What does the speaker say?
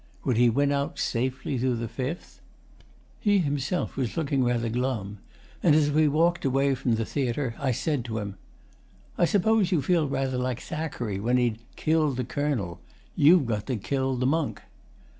Would he win out safely through the Fifth? He himself was looking rather glum; and, as we walked away from the theatre, I said to him, 'I suppose you feel rather like Thackeray when he'd "killed the Colonel": you've got to kill the Monk.